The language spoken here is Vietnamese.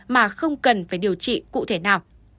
mà không cần phải điều trị cụ thể nào